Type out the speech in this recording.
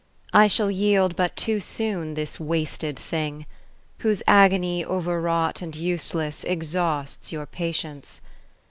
I shall yield but too soon this wasted thing. Whose agony overwrought and useless Exhausts your patience.